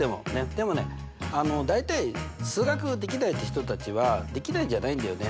でもね大体数学できないって人たちはできないんじゃないんだよね。